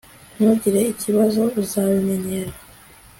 ntugire ikibazo. uzabimenyera